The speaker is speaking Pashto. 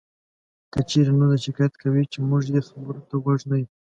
که چېرې نور دا شکایت کوي چې مونږ یې خبرو ته غوږ نه یو